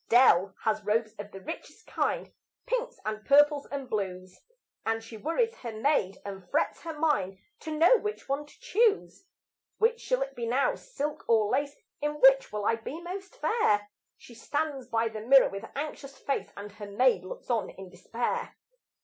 Dell has robes of the richest kind Pinks and purples and blues; And she worries her maid and frets her mind To know which one to choose. Which shall it be now, silk or lace? In which will I be most fair? She stands by the mirror with anxious face, And her maid looks on in despair.